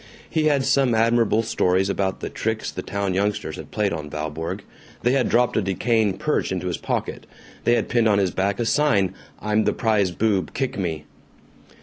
He had some admirable stories about the tricks the town youngsters had played on Valborg. They had dropped a decaying perch into his pocket. They had pinned on his back a sign, "I'm the prize boob, kick me."